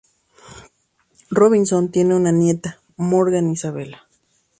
Robinson tiene una nieta, Morgan Isabella.